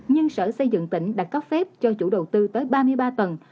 nhưng sở xây dựng tỉnh đã cấp phép cho chủ đầu tư tới ba mươi ba tầng